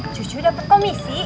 cucu dapet komisi